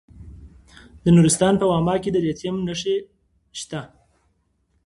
د نورستان په واما کې د لیتیم نښې شته.